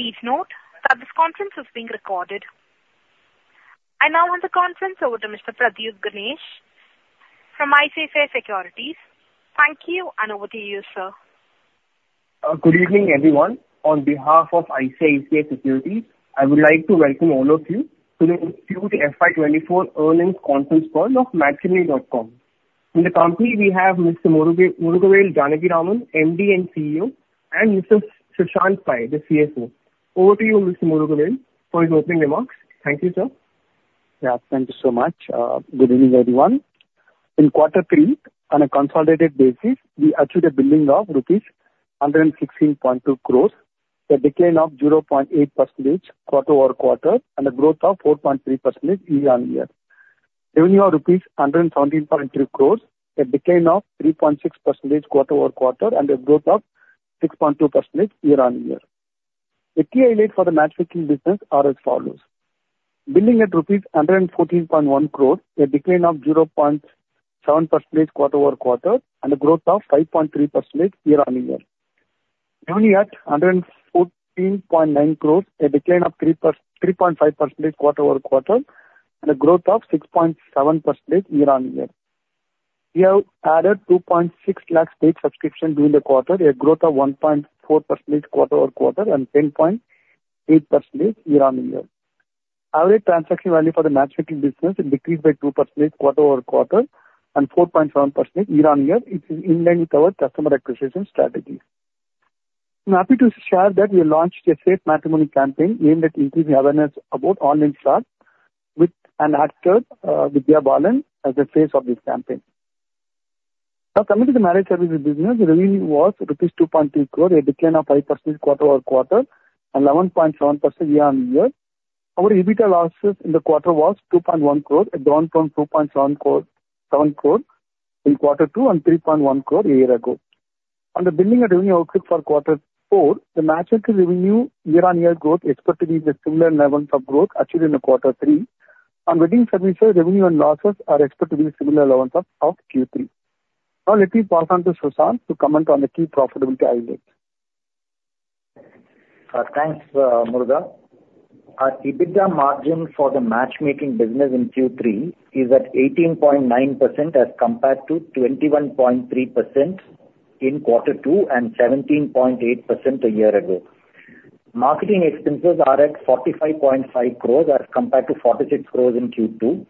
Please note that this conference is being recorded. I now hand the conference over to Mr. Pradyut Ganesh from ICICI Securities. Thank you, and over to you, sir. Good evening, everyone. On behalf of ICICI Securities, I would like to welcome all of you to the Q3 FY24 earnings conference call of Matrimony.com. In the company, we have Mr. Murugavel Janakiraman, MD and CEO, and Mr. Sushanth Pai, the CFO. Over to you, Mr. Murugavel, for your opening remarks. Thank you, sir. Yeah, thank you so much. Good evening, everyone. In quarter three, on a consolidated basis, we achieved a billing of rupees 116.2 crore, a decline of 0.8% quarter-over-quarter and a growth of 4.3% year-over-year. Revenue of INR 117.3 crore, a decline of 3.6% quarter-over-quarter and a growth of 6.2% year-over-year. The key highlights for the matchmaking business are as follows: billing at INR 114.1 crore, a decline of 0.7% quarter-over-quarter and a growth of 5.3% year-over-year. Revenue at 114.9 crore, a decline of 3.5% quarter-over-quarter and a growth of 6.7% year-over-year. We have added 2.6 lakh paid subscription during the quarter, a growth of 1.4% quarter-over-quarter and 10.8% year-over-year. Average transaction value for the matchmaking business decreased by 2% quarter-over-quarter and 4.7% year-over-year, which is in line with our customer acquisition strategy. I'm happy to share that we launched a Safe Matrimony campaign aimed at increasing awareness about online fraud with an actor, Vidya Balan, as the face of this campaign. Now, coming to the marriage services business, the revenue was rupees 2.2 crore, a decline of 5% quarter-over-quarter and 11.7% year-over-year. Our EBITDA losses in the quarter was 2.1 crore, down from 27 crore in quarter two and 3.1 crore a year ago. On the billing and revenue outlook for quarter four, the matchmaking revenue year-on-year growth is expected to be the similar levels of growth achieved in the quarter three. On wedding services, revenue and losses are expected to be similar levels of Q3. Now let me pass on to Sushanth to comment on the key profitability highlights. Thanks, Muruga. Our EBITDA margin for the matchmaking business in Q3 is at 18.9% as compared to 21.3% in quarter two and 17.8% a year ago. Marketing expenses are at 45.5 crores as compared to 46 crores in Q2.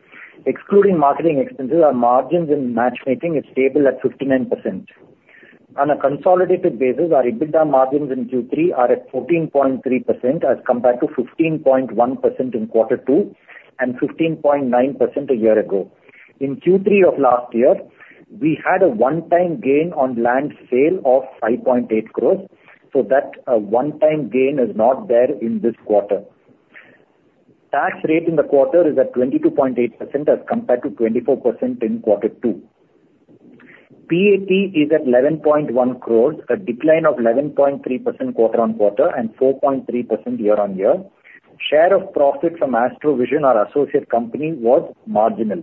Excluding marketing expenses, our margins in matchmaking is stable at 59%. On a consolidated basis, our EBITDA margins in Q3 are at 14.3% as compared to 15.1% in quarter two and 15.9% a year ago. In Q3 of last year, we had a one-time gain on land sale of 5.8 crores, so that, one-time gain is not there in this quarter. Tax rate in the quarter is at 22.8% as compared to 24% in quarter two. PAT is at 11.1 crores, a decline of 11.3% quarter-on-quarter and 4.3% year-on-year. Share of profit from AstroVision, our associate company, was marginal.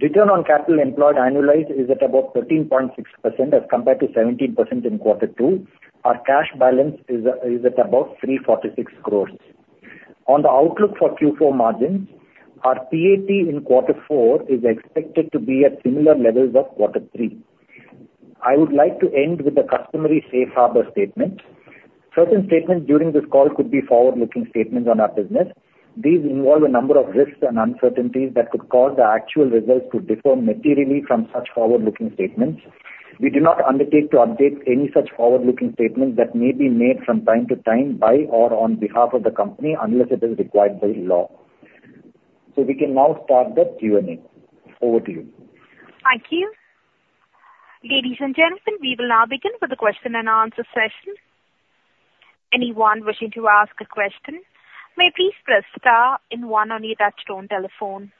Return on capital employed annualized is at about 13.6% as compared to 17% in quarter two. Our cash balance is at about 346 crores. On the outlook for Q4 margins, our PAT in quarter four is expected to be at similar levels of quarter three. I would like to end with a customary safe harbor statement. Certain statements during this call could be forward-looking statements on our business. These involve a number of risks and uncertainties that could cause the actual results to differ materially from such forward-looking statements. We do not undertake to update any such forward-looking statements that may be made from time to time by or on behalf of the company, unless it is required by law. We can now start the Q&A. Over to you. Thank you. Ladies and gentlemen, we will now begin with the question and answer session. Anyone wishing to ask a question may please press star and one on your touchtone telephone.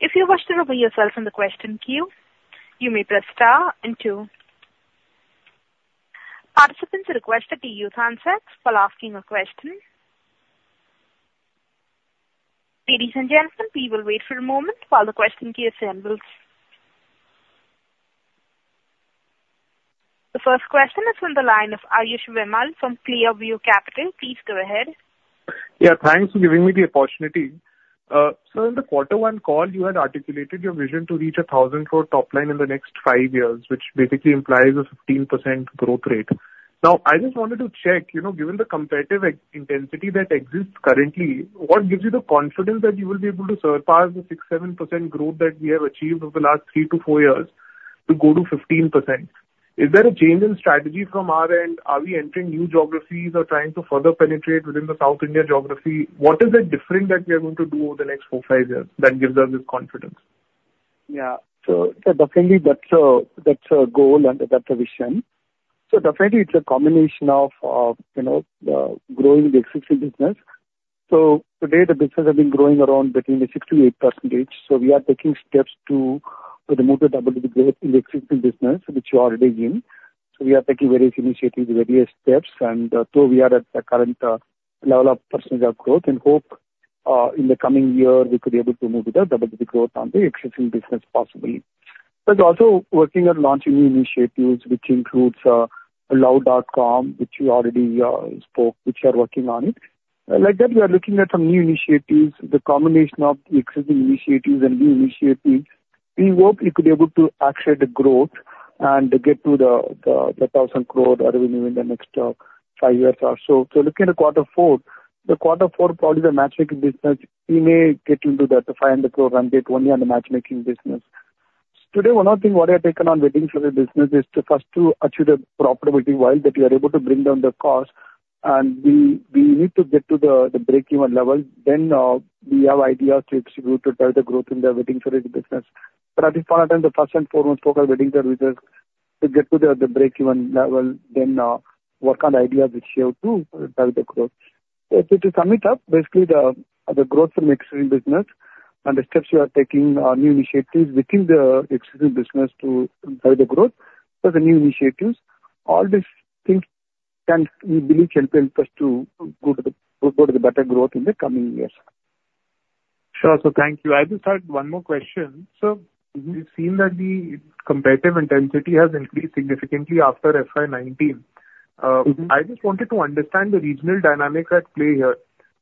If you wish to remove yourself from the question queue, you may press star and two. Participants are requested to use handsets while asking a question. Ladies and gentlemen, we will wait for a moment while the question queue assembles. The first question is on the line of Ayush Vimal from ClearView Capital. Please go ahead. Yeah, thanks for giving me the opportunity. So in the quarter one call, you had articulated your vision to reach 1,000 crore top line in the next 5 years, which basically implies a 15% growth rate. Now, I just wanted to check, you know, given the competitive intensity that exists currently, what gives you the confidence that you will be able to surpass the 6-7% growth that we have achieved over the last 3-4 years to go to 15%? Is there a change in strategy from our end? Are we entering new geographies or trying to further penetrate within the South India geography? What is it different that we are going to do over the next 4-5 years that gives us this confidence? Yeah. So, so definitely that's our, that's our goal and that's our vision. So definitely it's a combination of, you know, growing the existing business. So today, the business has been growing around between the 6%-8%, so we are taking steps to remove the in the existing business, which we are already in. So we are taking various initiatives, various steps, and, so we are at the current level of percentage of growth and hope, in the coming year we could be able to move with the double-digit growth on the existing business possibly... But also working on launching new initiatives, which includes, Luv.com, which you already spoke, which you are working on it. Like that, we are looking at some new initiatives, the combination of existing initiatives and new initiatives. We hope we could be able to accelerate the growth and get to the 1,000 crore revenue in the next 5 years or so. So looking at the quarter four, probably the matchmaking business, we may get into the INR 500 crore run rate only on the matchmaking business. Today, one other thing what I have taken on Wedding Services business is to first achieve the profitability, while that we are able to bring down the cost, and we need to get to the break-even level, then we have ideas to execute to drive the growth in the Wedding Services business. But at this point in time, the first and foremost focus wedding services to get to the break-even level, then work on the ideas which you have to drive the growth. So to sum it up, basically the growth in existing business and the steps we are taking are new initiatives within the existing business to drive the growth. So the new initiatives, all these things can, we believe, help us to go to the better growth in the coming years. Sure. So thank you. I just had one more question. So we've seen that the competitive intensity has increased significantly after FY19. Mm-hmm. I just wanted to understand the regional dynamics at play here.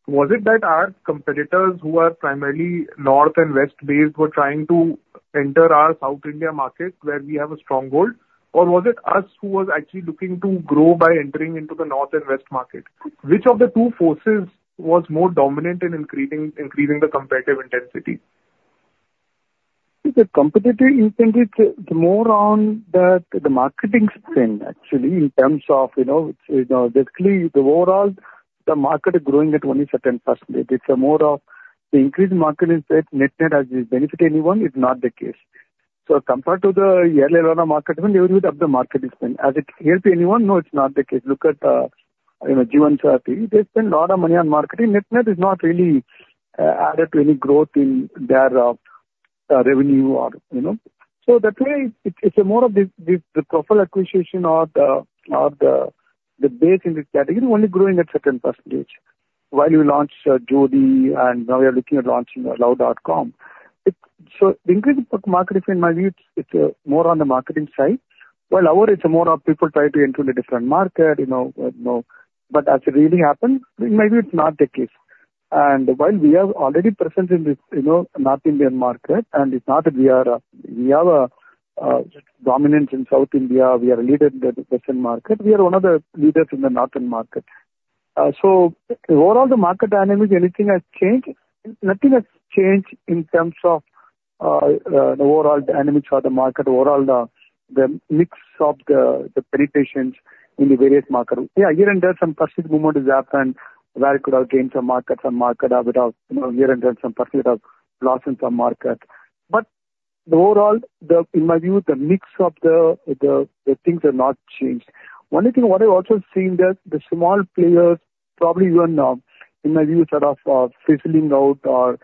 Was it that our competitors, who are primarily north and west-based, were trying to enter our South India market, where we have a stronghold? Or was it us who was actually looking to grow by entering into the north and west market? Which of the two forces was more dominant in increasing the competitive intensity? The competitive intensity, it's more on the marketing spend, actually, in terms of, you know, you know, basically, the overall the market is growing at only certain percentage. It's a more of the increased marketing spend, net-net, has it benefited anyone? It's not the case. So compared to the earlier market, even up the market spend. Has it helped anyone? No, it's not the case. Look at, you know, Jeevansathi. They spend a lot of money on marketing. Net-net is not really added to any growth in their revenue or, you know. So that way, it's, it's a more of the proper acquisition or the base in the category only growing at certain percentage. While you launch Jodii, and now we are looking at launching Luv.com. So the increase in market, in my view, it's more on the marketing side. While our it's more of people trying to enter the different market, you know, but no. But as it really happened, maybe it's not the case. And while we are already present in this, you know, North Indian market, and it's not that we are, we have a dominance in South India, we are a leader in the western market. We are one of the leaders in the northern market. So overall, the market dynamics, anything has changed? Nothing has changed in terms of the overall dynamics of the market, overall the mix of the penetrations in the various market. Yeah, here and there, some percentage movement has happened, where we could have gained some market, some market have without, you know, here and there, some percentage of loss in some market. But overall, in my view, the mix of the things have not changed. One thing what I've also seen that the small players, probably even, in my view, sort of, fizzling out or,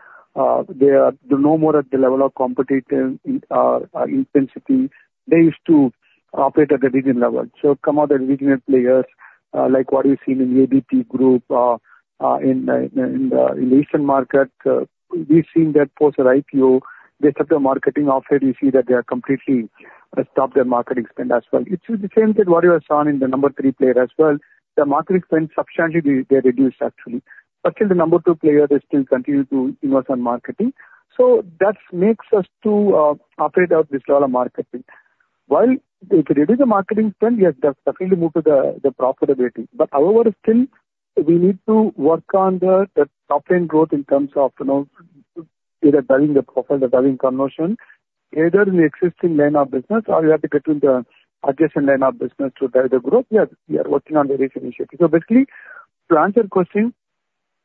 they are no more at the level of competitive intensity. They used to operate at the regional level. So, some other regional players, like what we've seen in ABP Group, in the Eastern market. We've seen that post IPO, based on their marketing offer, you see that they are completely, stop their marketing spend as well. It's the same thing what you have saw in the number three player as well. The marketing spend substantially they reduced actually. But in the number two player, they still continue to invest on marketing. So that makes us to operate at this level of marketing. While if you reduce the marketing spend, yes, that's definitely move to the profitability, but however, still, we need to work on the top line growth in terms of, you know, either driving the profit or driving conversion, either in the existing line of business or we have to get in the adjacent line of business to drive the growth. We are working on various initiatives. So basically, to answer your question,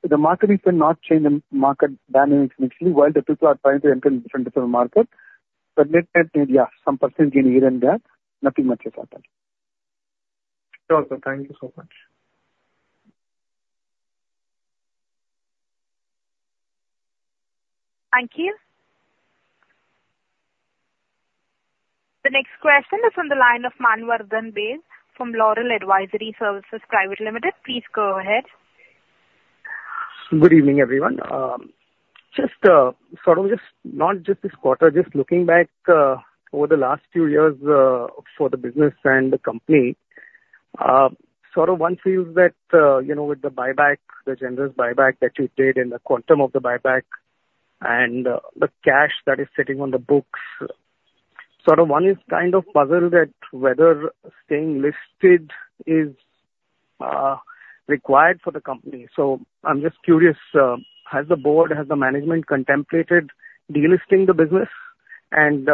the marketing spend not change the market dynamics initially, while the people are trying to enter into different market. Net-net, yeah, some percentage here and there, nothing much has happened. Sure, sir. Thank you so much. Thank you. The next question is on the line of Manvar Dhanbhe from Laurel Advisory Services Private Limited. Please go ahead. Good evening, everyone. Just, sort of just not just this quarter, just looking back, over the last few years, for the business and the company, sort of one feels that, you know, with the buyback, the generous buyback that you did and the quantum of the buyback and, the cash that is sitting on the books, sort of one is kind of puzzled at whether staying listed is, required for the company. So I'm just curious, has the board, has the management contemplated delisting the business and,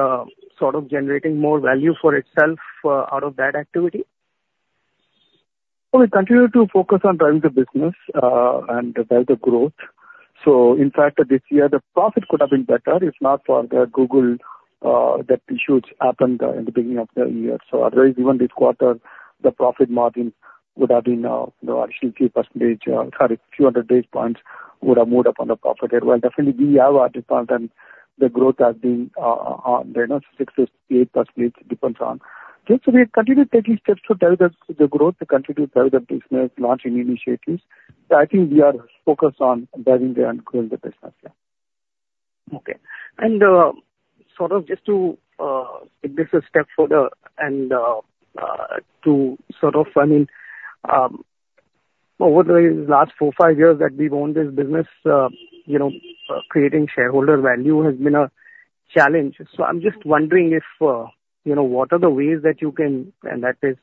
sort of generating more value for itself, out of that activity? Well, we continue to focus on driving the business and drive the growth. So in fact, this year, the profit could have been better if not for the Google that issues happened in the beginning of the year. So otherwise, even this quarter, the profit margin would have been, you know, actually few percentage, sorry, few hundred basis points would have moved up on the profit as well. Definitely, we have our different, and the growth has been, you know, 6%-8%, it depends on.... Yes, so we have continued taking steps to drive the growth to continue to drive the business, launching initiatives. So I think we are focused on driving the and growing the business, yeah. Okay. Sort of just to take this a step further and to sort of, I mean, over the last four, five years that we've owned this business, you know, creating shareholder value has been a challenge. So I'm just wondering if, you know, what are the ways that you can—and that is,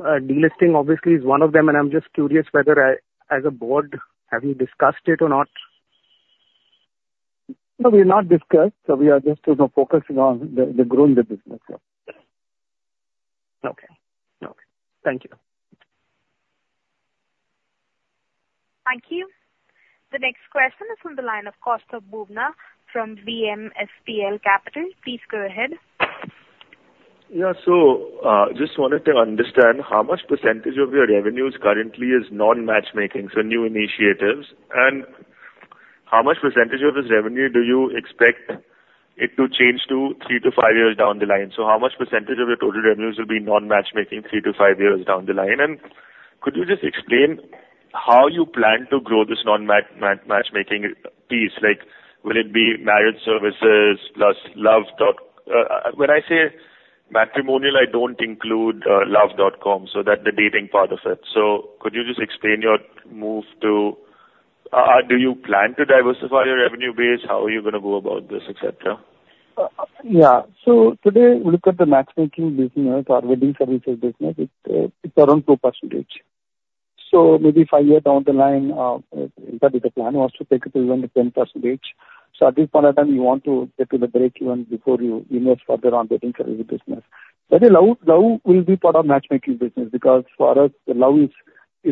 delisting obviously is one of them, and I'm just curious whether as a board, have you discussed it or not? No, we've not discussed. So we are just, you know, focusing on the growing the business, yeah. Okay. Okay. Thank you. Thank you. The next question is from the line of Kaustav Bubna from BMSPL Capital. Please go ahead. Yeah. So, just wanted to understand how much percentage of your revenues currently is non-matchmaking, so new initiatives, and how much percentage of this revenue do you expect it to change to three to five years down the line? So how much percentage of your total revenues will be non-matchmaking three to five years down the line? And could you just explain how you plan to grow this non-matchmaking piece? Like, will it be marriage services plus Luv.com? When I say matrimonial, I don't include Luv.com, so that's the dating part of it. So could you just explain your move to... Do you plan to diversify your revenue base? How are you going to go about this, et cetera? Yeah. So today, if we look at the matchmaking business, our wedding services business, it's around 2%. So maybe five years down the line, in fact, the plan was to take it to even the 10%. So at this point of time, we want to get to the breakeven before you invest further on wedding service business. But Love, Love will be part of matchmaking business, because for us, the Love is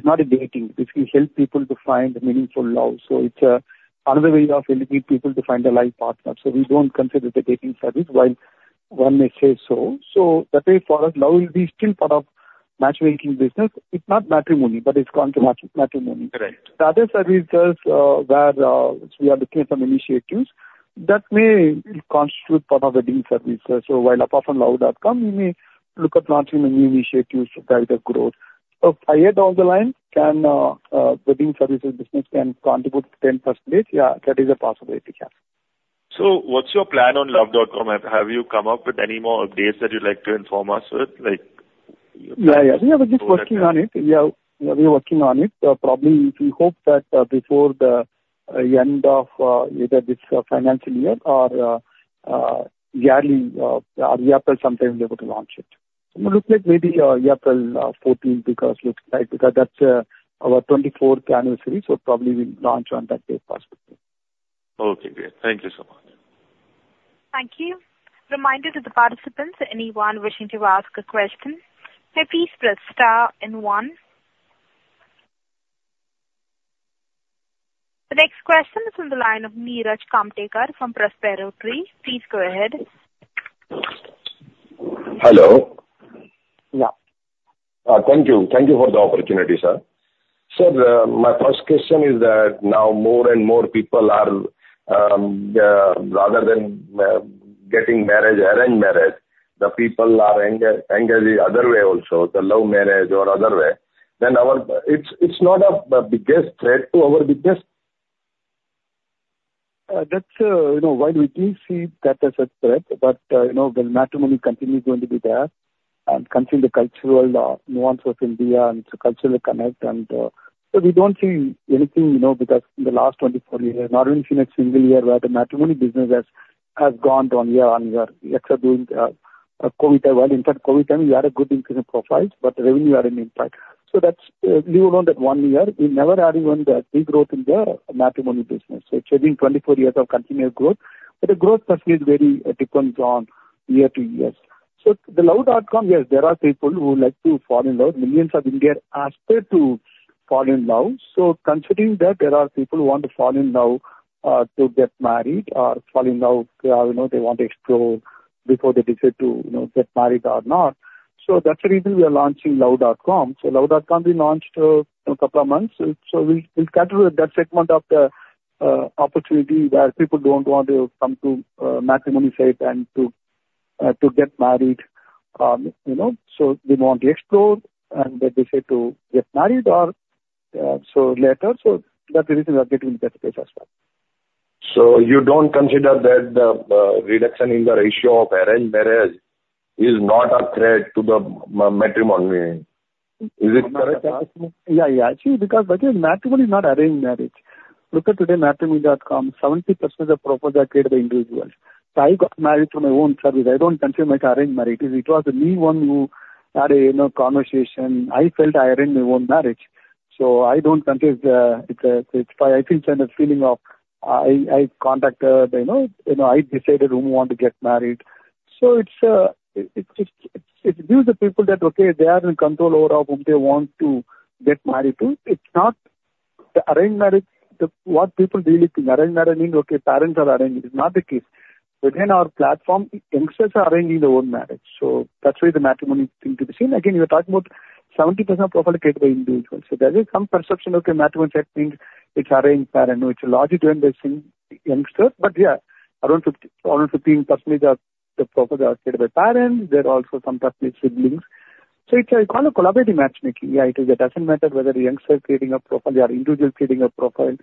not a dating. It will help people to find meaningful love. So it's another way of helping people to find a life partner. So we don't consider it a dating service, while one may say so. So that's why for us, Love will be still part of matchmaking business. It's not matrimony, but it's gone to match- matrimony. Right. The other services, where we are looking at some initiatives that may constitute part of the wedding services. So while apart from Luv.com, we may look at launching the new initiatives to drive the growth. So five years down the line, can wedding services business contribute 10%? Yeah, that is a possibility, yes. So what's your plan on Luv.com? Have you come up with any more updates that you'd like to inform us with? Like- Yeah, yeah, we are just working on it. Yeah, we are working on it. Probably we hope that, before the end of either this financial year or yearly or April, sometime be able to launch it. We're looking at maybe April 14th, because looks like, because that's our 24th anniversary, so probably we'll launch on that day, possibly. Okay, great. Thank you so much. Thank you. Reminder to the participants, anyone wishing to ask a question, may please press star and one. The next question is on the line of Niraj Kamtekar from Prospero Tree. Please go ahead. Hello. Yeah. Thank you. Thank you for the opportunity, sir. Sir, my first question is that now more and more people are, rather than getting marriage, arranged marriage, the people are engaging other way also, the love marriage or other way, then our... It's, it's not a, the biggest threat to our business? That's, you know, while we do see that as a threat, but, you know, the Matrimony.com is going to be there and continue the cultural nuance of India and to culturally connect. And, so we don't see anything, you know, because in the last 24 years, I haven't seen a single year where the matrimony business has gone down year-on-year, except during COVID time. Well, in fact, COVID time, we had a good increase in profiles, but revenue had an impact. So that's, we learned that one year, we never had even the big growth in the matrimony business. So it's been 24 years of continued growth, but the growth certainly is very dependent on year to years. So the Luv.com, yes, there are people who like to fall in love. Millions of Indians aspire to fall in love. So considering that there are people who want to fall in love, to get married or fall in love, you know, they want to explore before they decide to, you know, get married or not. So that's the reason we are launching Luv.com. So Luv.com will be launched in a couple of months. So we, we'll cater to that segment of the opportunity, where people don't want to come to matrimony site and to get married. You know, so they want to explore and then decide to get married or so later. So that's the reason we are getting into that space as well. So you don't consider that the reduction in the ratio of arranged marriage is not a threat to the matrimony? Is it correct? Yeah, yeah. Actually, because matrimony is not arranged marriage. Look at BharatMatrimony.com, 70% of the profiles are created by individuals. So I got married through my own service. I don't consider myself arranged marriage. It was me who had a, you know, conversation. I felt I arranged my own marriage, so I don't consider the... It's, it's my, I think, the feeling of I, I contacted, you know, you know, I decided whom I want to get married. So it's, it gives the people that, okay, they are in control over whom they want to get married to. It's not the arranged marriage, the, what people really think, arranged marrying, okay, parents are arranging. It's not the case. Within our platform, youngsters are arranging their own marriage. So that's why the matrimony thing to be seen. Again, you're talking about 70% of profiles created by individuals. So there is some perception, okay, Matrimony checking, it's arranged parent, which largely driven by seeking youngsters. But yeah, around 50, around 15 percent, the profiles are created by parents, there are also some percent siblings. So it's a kind of collaborative matchmaking. Yeah, it doesn't matter whether the youngster is creating a profile or individual creating a profile.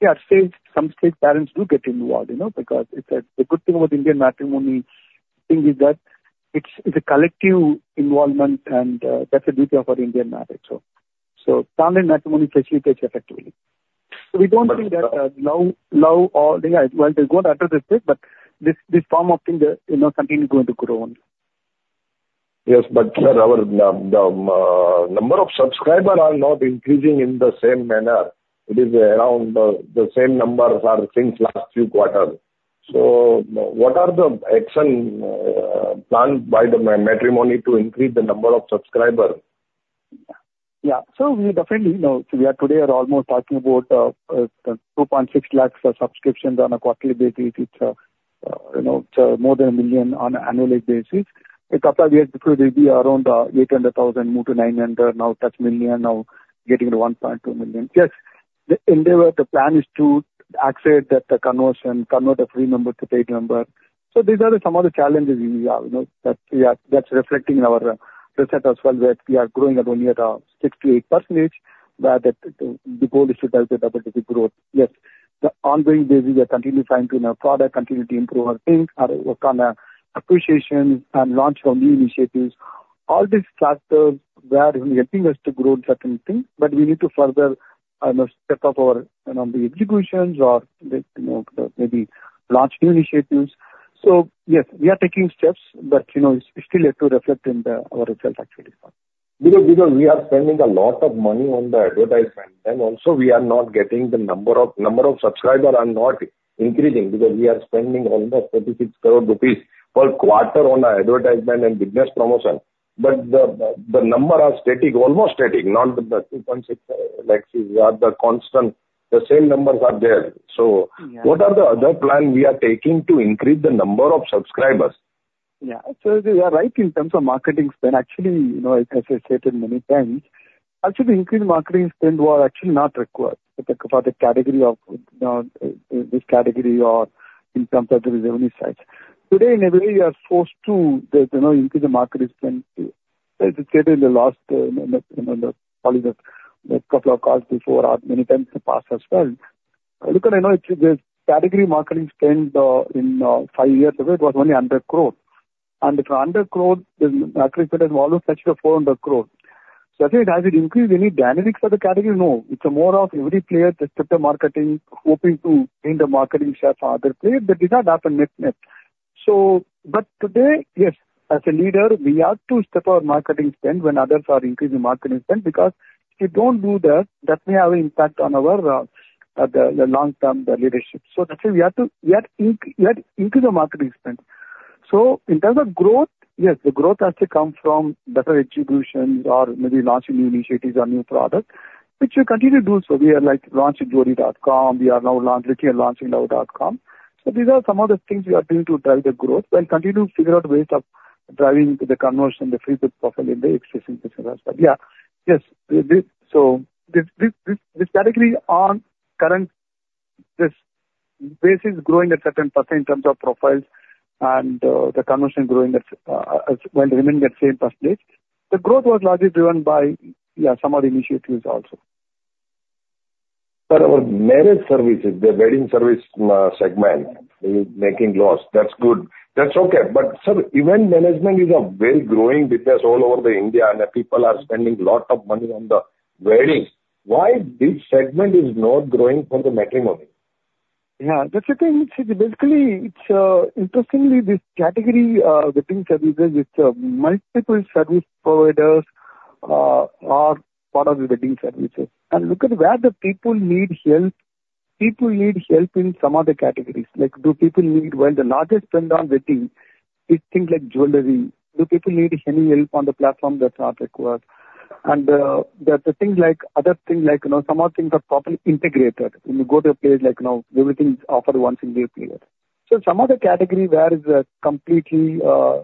Yeah, still some stage parents do get involved, you know, because it's a the good thing about Indian matrimony thing is that it's a collective involvement, and that's the beauty of our Indian marriage. So Matrimony facilitates effectively. So we don't think that now or yeah, well, they go after the startups, but this form of thing, you know, will continue to grow. Yes, but sir, our number of subscribers are not increasing in the same manner. It is around the same numbers since last few quarters. So what are the actions planned by Matrimony to increase the number of subscribers? Yeah. So we definitely know. So we are today almost talking about 2.6 lakh subscriptions on a quarterly basis, which are, you know, it's more than 1,000,000 on an annual basis. A couple of years before, they be around 800,000-900,000, now touch 1,000,000, now getting to 1,200,000. Yes, the endeavor, the plan is to accelerate that conversion, convert a free number to paid number. So these are some of the challenges we are, you know, that we are that's reflecting in our result as well, where we are growing at only at 6%-8%, where the goal is to double the double-digit growth. Yes, the ongoing basis, we are continuously trying to improve our product, continue to improve our things or work on, appreciation and launch our new initiatives. All these factors were helping us to grow certain things, but we need to further, step up our, you know, the executions or, you know, maybe launch new initiatives. So yes, we are taking steps, but, you know, it's still yet to reflect in the, our results actually. Because we are spending a lot of money on the advertisement, and also we are not getting the number of... number of subscribers are not increasing because we are spending almost 36 crore rupees per quarter on advertisement and business promotion. But the numbers are static, almost static, not the 2.6 lakhs are constant, the same numbers are there. So- Yeah. What are the other plan we are taking to increase the number of subscribers? Yeah. So you are right in terms of marketing spend. Actually, you know, as I stated many times, actually, the increased marketing spend were actually not required for the category of, this category or in terms of the revenue side. Today, in a way, we are forced to, you know, increase the marketing spend to get in the last, you know, the couple of calls before or many times in the past as well. Look at, you know, the category marketing spend, in, five years ago, it was only under growth. And under growth, the aggregate has almost touched four under growth. So has it increased any dynamics for the category? No. It's a more of every player that step their marketing, hoping to gain the marketing share for other players. That did not happen net-net. So, but today, yes, as a leader, we have to step our marketing spend when others are increasing marketing spend, because if you don't do that, that may have an impact on our, the long-term, the leadership. So that's why we have to, we have to increase the marketing spend. So in terms of growth, yes, the growth has to come from better execution or maybe launching new initiatives or new products, which we continue to do. So we are like launching Jodii, we are now looking and launching now.com. So these are some of the things we are doing to drive the growth and continue to figure out ways of driving the conversion, the free profile in the existing business as well. Yeah. Yes, so this category on current this base is growing at certain percent in terms of profiles and the conversion growing at, well, remaining at the same place. The growth was largely driven by, yeah, some of the initiatives also. But our marriage services, the wedding service, segment, is making loss. That's good. That's okay. But sir, event management is a very growing business all over the India, and the people are spending a lot of money on the weddings. Why this segment is not growing for the matrimony? Yeah, that's the thing, which is basically, it's, interestingly, this category, wedding services, with, multiple service providers, are part of the wedding services. And look at where the people need help. People need help in some other categories, like do people need... When the largest spend on wedding is things like jewelry. Do people need any help on the platform? That's not required. And, the, the thing like, other thing like, you know, some other things are properly integrated. When you go to a place like now, everything is offered once in a player. So some other category where is, completely,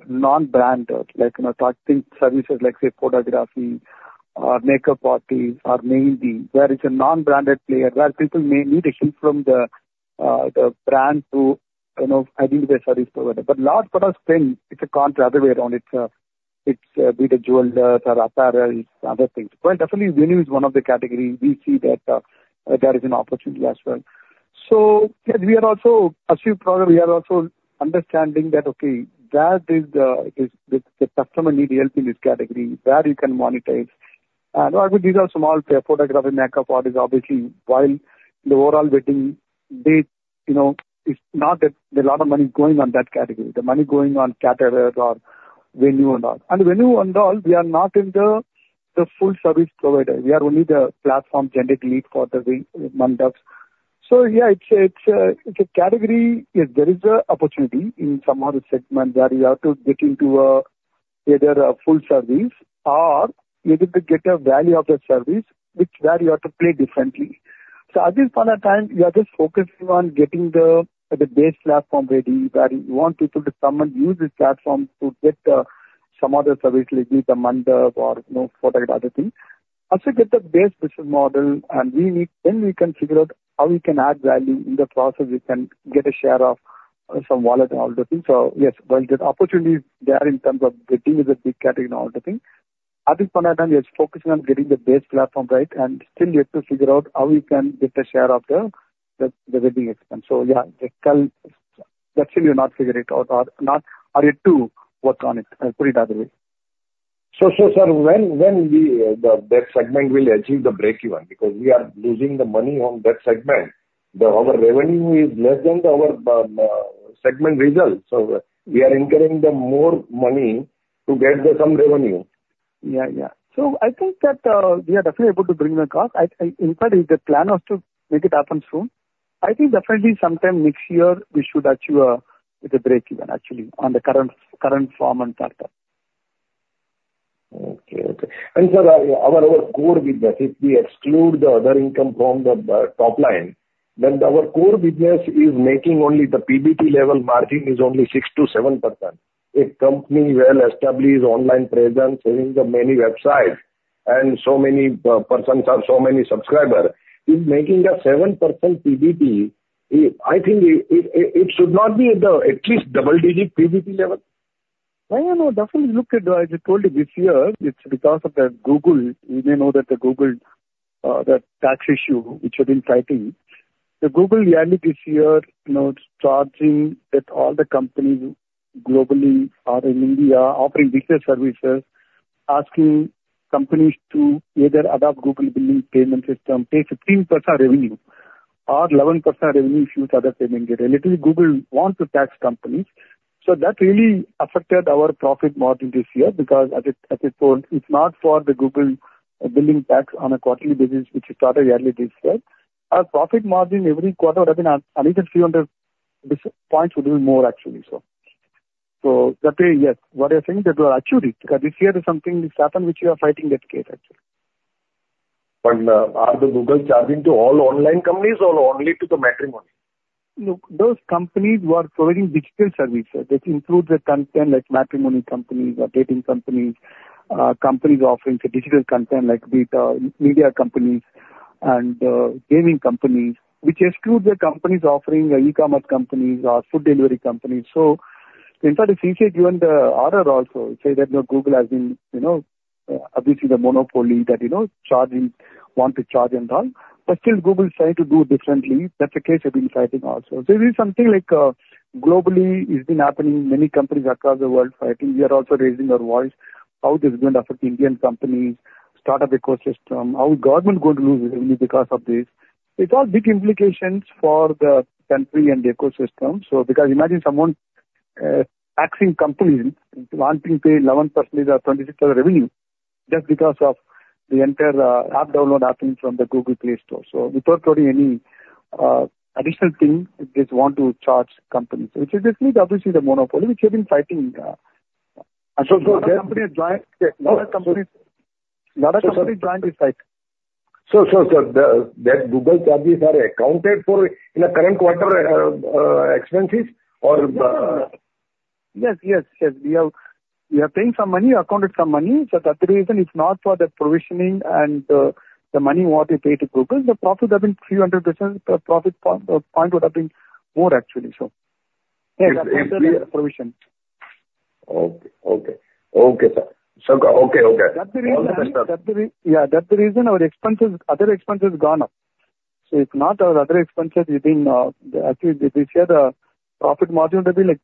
non-branded, like, you know, talking services like, say, photography or makeup parties or maybe where it's a non-branded player, where people may need a help from the, the brand to, you know, adding their service provider. But large part of spend, it's actually the other way around. It's the jewelers or apparel other things. Well, definitely venue is one of the category we see that there is an opportunity as well. So yes, we are also as you probably are also understanding that, okay, where is the customer need help in this category, where you can monetize? And I think these are small, photography, makeup parties, obviously, while the overall wedding date, you know, is not a lot of money going on that category. The money going on caterers or venue and all. And venue and all, we are not in the full service provider. We are only the platform generate lead for the mandaps. So yeah, it's a category... Yes, there is an opportunity in some other segment where you have to get into either a full service or maybe to get a value of the service, which where you have to play differently. So at least for the time, we are just focusing on getting the base platform ready, where we want people to come and use this platform to get some other service, like be it the Mandap or, you know, for that other thing. Also get the base business model, and we need, then we can figure out how we can add value. In the process, we can get a share of some wallet and all those things. So yes, while there's opportunities there in terms of getting the big category and all the thing, at this point in time, we are focusing on getting the base platform right, and still we have to figure out how we can get a share of the wedding expense. So yeah, like, that still we not figure it out or not, are yet to work on it. Put it the other way. So, sir, when will that segment achieve the breakeven? Because we are losing the money on that segment. Our revenue is less than our segment results, so we are incurring the more money to get the some revenue. Yeah, yeah. So I think that we are definitely able to bring the cost. In fact, the plan was to make it happen soon. I think definitely sometime next year, we should achieve the breakeven actually, on the current form and factor. Okay, okay. Sir, our core business, if we exclude the other income from the top line, then our core business is making only the PBT-level margin of only 6%-7%. A well-established company with online presence, having many websites and so many persons or so many subscribers, is making a 7% PBT. I think it should be at least double-digit PBT level? Yeah, yeah, no, definitely look at, as I told you, this year, it's because of the Google. You may know that the Google, the tax issue which we've been fighting. The Google early this year, you know, charging that all the companies globally or in India offering digital services, asking companies to either adopt Google billing payment system, pay 15% revenue or 11% revenue if you use other payment gateway. Literally, Google want to tax companies. So that really affected our profit margin this year, because as I, as I told, if not for the Google billing tax on a quarterly basis, which started early this year, our profit margin every quarter have been at least a few hundred basis points would be more actually, so. That way, yes, what you're saying, that will achieve it, because this year there's something that's happened, which we are fighting that case actually. Are Google charging to all online companies or only to the matrimony? Look, those companies who are providing digital services, that includes the company like matrimony companies or dating companies, companies offering the digital content like the, media companies and, gaming companies, which excludes the companies offering e-commerce companies or food delivery companies. So in fact, the CCI given the order also, say that the Google has been, you know, obviously the monopoly that, you know, charging, want to charge and all. But still Google is trying to do differently. That's the case we've been fighting also. There is something like, globally it's been happening, many companies across the world fighting. We are also raising our voice, how this is going to affect Indian companies, start-up ecosystem, how government going to lose revenue because of this. It's all big implications for the country and the ecosystem. So because imagine someone taxing companies wanting to pay 11% or 20% revenue just because of the entire app download happening from the Google Play Store. So without doing any additional thing, they just want to charge companies, which is basically, obviously the monopoly which we've been fighting, and so, so- Lot of companies joined. Lot of companies, lot of companies joined this fight. So, sir, that Google charges are accounted for in the current quarter, expenses or- Yes, yes, yes. We have, we are paying some money, accounted some money. So that's the reason it's not for the provisioning and, the money what we paid to Google, the profit have been 300%. The profit point, point would have been more actually, so. Okay. Okay. Okay, sir. So, okay, okay. That's the reason. Yeah, that's the reason our other expenses have gone up. So it's not our other expenses within, actually, this year, the profit margin would have been, like,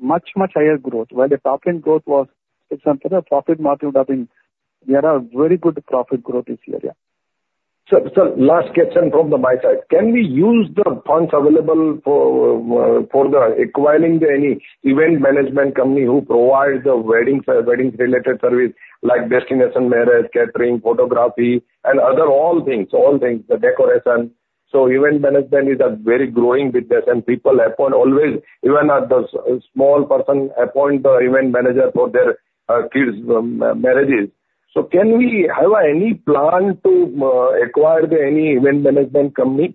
much, much higher growth. While the top-end growth was at something, the profit margin would have been... We had a very good profit growth this year, yeah. Sir, sir, last question from my side. Can we use the funds available for, for the acquiring the any event management company who provides the wedding, weddings related service like destination marriage, catering, photography, and other all things, all things, the decoration. So event management is a very growing business, and people employ always, even at the small person appoint the event manager for their kids' marriages. So can we have any plan to acquire the any event management company?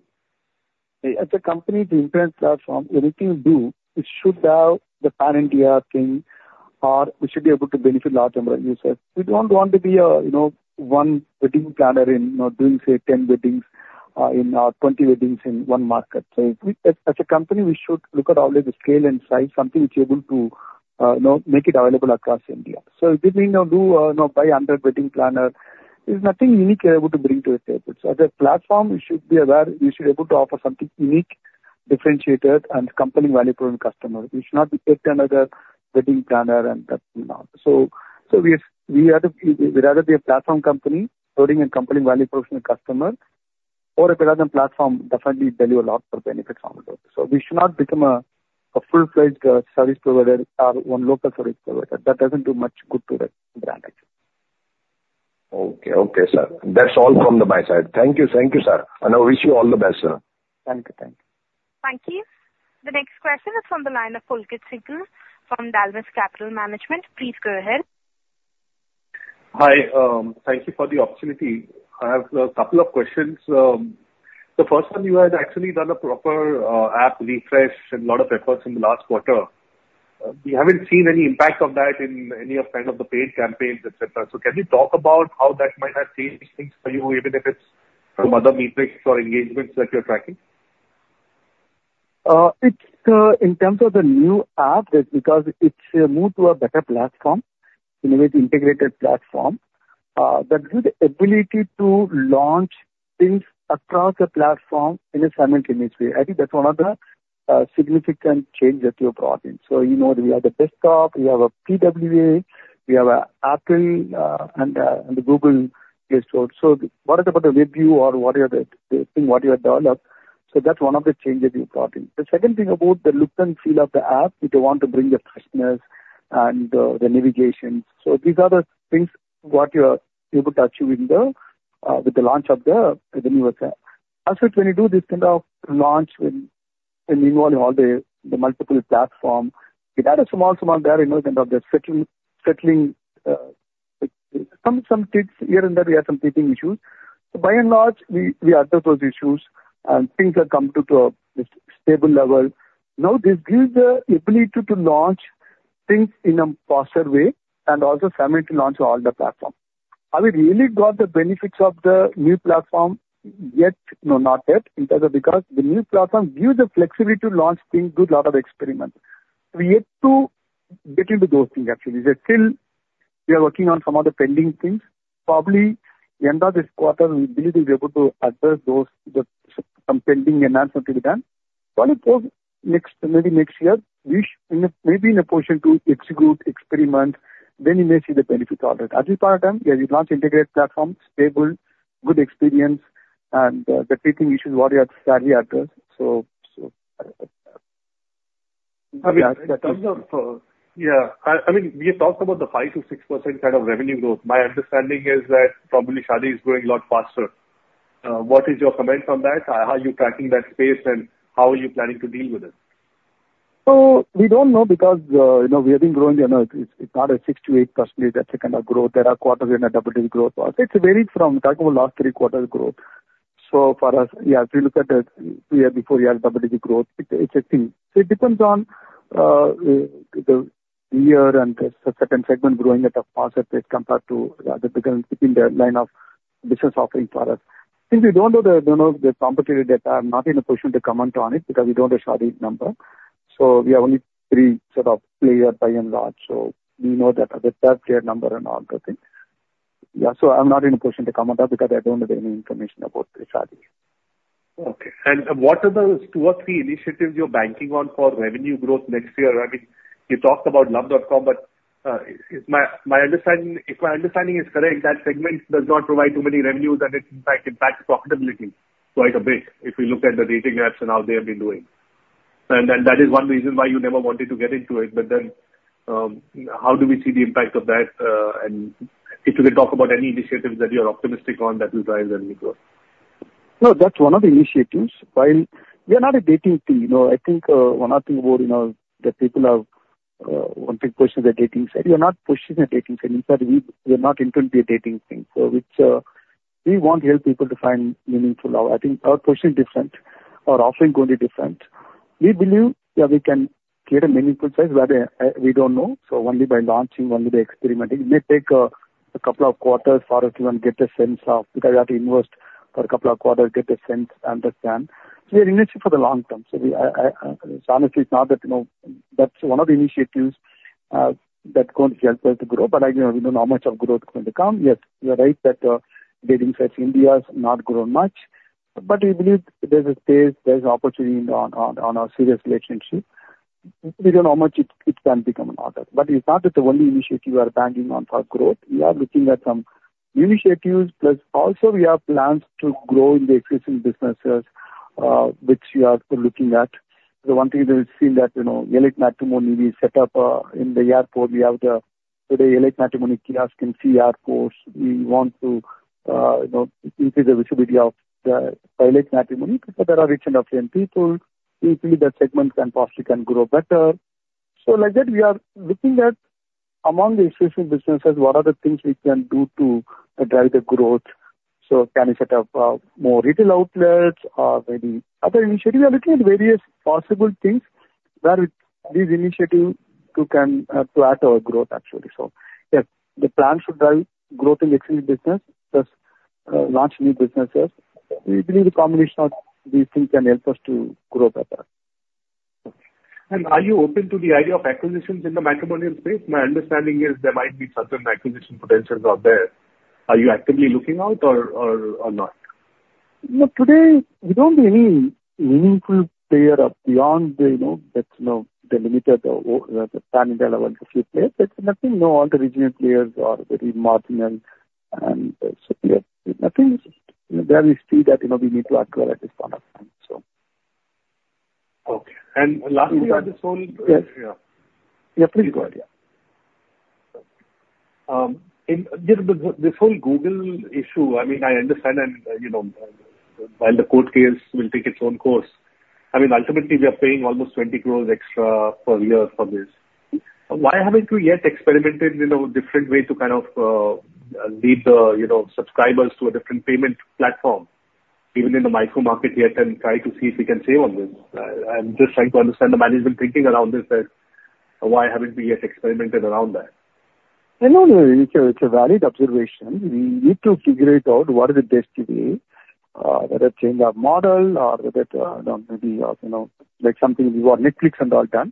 As a company, the insurance platform, anything you do, it should have the pan-India thing, or we should be able to benefit large number of users. We don't want to be a, you know, one wedding planner in, you know, doing, say, 10 weddings, in, or 20 weddings in one market. So we, as a company, we should look at always the scale and size, something which is able to, you know, make it available across India. So if we now do, you know, buy 100 wedding planner, there's nothing unique we're able to bring to the table. So as a platform, we should be aware, we should be able to offer something unique, differentiated, and compelling value for the customer. We should not be yet another wedding planner and that, you know. So we rather be a platform company providing a compelling value for the customer, or if we are as a platform, definitely value a lot for benefits on the go. So we should not become a full-fledged service provider or one local service provider. That doesn't do much good to the brand, actually. Okay. Okay, sir. That's all from my side. Thank you, thank you, sir, and I wish you all the best, sir. Thank you. Thank you. Thank you. The next question is from the line of Pulkit Singhal from Dalmus Capital Management. Please go ahead.... Hi, thank you for the opportunity. I have a couple of questions. The first one, you have actually done a proper app refresh and a lot of efforts in the last quarter. We haven't seen any impact of that in any of, kind of, the paid campaigns, et cetera. So can you talk about how that might have changed things for you, even if it's from other metrics or engagements that you're tracking? It's in terms of the new app, it's because it's moved to a better platform, in a way, integrated platform. That gives the ability to launch things across the platform in a simultaneous way. I think that's one of the significant change that we have brought in. So, you know, we have a desktop, we have a PWA, we have an Apple, and the Google Play Store. So what about the web view or what are the, the thing, what you have developed? So that's one of the changes we've brought in. The second thing about the look and feel of the app, we do want to bring the freshness and the navigation. So these are the things what we are able to achieve in the with the launch of the new app. Also, when you do this kind of launch with and involving all the multiple platforms, we had a small teething there, you know, kind of the settling, some teething issues here and there. We had some teething issues. So by and large, we address those issues, and things have come to a stable level. Now, this gives the ability to launch things in a faster way and also simultaneously launch on all the platforms. Have we really got the benefits of the new platform yet? No, not yet, in terms of... Because the new platform gives the flexibility to launch things, do lot of experiments. We're yet to get into those things, actually. We are still working on some of the pending things. Probably end of this quarter, we believe we'll be able to address those, some pending enhancements to be done. Going forward, next, maybe next year, we maybe in a position to execute, experiment, then you may see the benefits of it. As of now, we have launched integrated platform, stable, good experience, and the teething issues what we have already addressed. So, I mean, in terms of, Yeah, I mean, we have talked about the 5%-6% kind of revenue growth. My understanding is that probably Shaadi is growing a lot faster. What is your comment on that? How are you tracking that space, and how are you planning to deal with it? So we don't know because, you know, we have been growing, you know, it's, it's not a 6%-8%, that kind of growth. There are quarters when the double-digit growth. It's varied from, talk about last three quarters growth. So for us, yeah, if you look at the year before last double-digit growth, it's a thing. So it depends on, the year and the second segment growing at a faster rate compared to the other, within the line of business offering for us. Since we don't know the competitive data, I'm not in a position to comment on it because we don't have Shaadi's number. So we have only three set of player, by and large, so we know that, the third player number and all the things. Yeah, so I'm not in a position to comment on that because I don't have any information about the Shaadi. Okay. And what are the two or three initiatives you're banking on for revenue growth next year? I mean, you talked about Luv.com, but if my understanding is correct, that segment does not provide too many revenues, and it in fact impacts profitability quite a bit, if we look at the dating apps and how they have been doing. And then that is one reason why you never wanted to get into it. But then, how do we see the impact of that? And if you can talk about any initiatives that you're optimistic on, that will drive the revenue growth. No, that's one of the initiatives. While we are not a dating team, you know, I think, one or two more, you know, the people have, one big question, the dating side. We are not pushing a dating side. In fact, we, we are not into the dating thing. So which, we want to help people to find meaningful love. I think our approach is different. Our offering is going to be different. We believe that we can create a meaningful size, where we don't know, so only by launching, only by experimenting. It may take, a couple of quarters for us to even get a sense of, because we have to invest for a couple of quarters, get a sense, understand. So we are in it for the long term. So we, I, I, honestly, it's not that, you know... That's one of the initiatives that going to help us to grow, but I don't know how much of growth is going to come. Yes, you are right that dating sites in India has not grown much, but we believe there's a space, there's opportunity on a serious relationship. We don't know how much it can become in order, but it's not the only initiative we are banking on for growth. We are looking at some initiatives, plus also we have plans to grow in the existing businesses which we are still looking at. The one thing that we've seen that, you know, EliteMatrimony we set up in the airport. We have the EliteMatrimony kiosk in concourse. We want to, you know, increase the visibility of the EliteMatrimony, because there are rich and affluent people. We feel that segment can possibly can grow better. So like that, we are looking at among the existing businesses, what are the things we can do to drive the growth? So can we set up, more retail outlets or maybe other initiatives? We are looking at various possible things where with this initiative to, can, to add our growth actually. So yes, the plan should drive growth in existing business, plus, launch new businesses. We believe a combination of these things can help us to grow better. Are you open to the idea of acquisitions in the matrimonial space? My understanding is there might be certain acquisition potentials out there. Are you actively looking out or not? No, today, we don't see any meaningful player up beyond the, you know, that's, you know, the limited, the pan-India level, a few players. There's nothing, no, all the regional players are very marginal and, so nothing. There we see that, you know, we need to acquire at this point of time, so. Okay. And lastly, on this whole- Yes. Yeah, please go ahead. Yeah. In this whole Google issue, I mean, I understand and, you know... While the court case will take its own course, I mean, ultimately, we are paying almost 20 crore extra per year for this. Why haven't you yet experimented in a different way to kind of lead the, you know, subscribers to a different payment platform, even in the micro market, yet, and try to see if we can save on this? I'm just trying to understand the management thinking around this, that why haven't we yet experimented around that? No, no, it's a, it's a valid observation. We need to figure it out, what is the best way, whether change our model or whether, maybe, you know, like something we want Netflix and all done.